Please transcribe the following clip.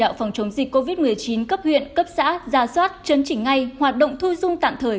đạo phòng chống dịch covid một mươi chín cấp huyện cấp xã ra soát chấn chỉnh ngay hoạt động thu dung tạm thời